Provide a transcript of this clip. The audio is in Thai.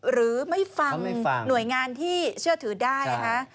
หรือไม่ฟังหน่วยงานที่เชื่อถือได้นะคะ